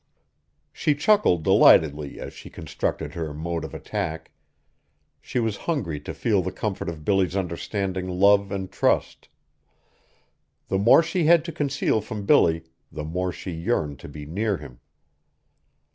She chuckled delightedly as she constructed her mode of attack. She was hungry to feel the comfort of Billy's understanding love and trust. The more she had to conceal from Billy, the more she yearned to be near him.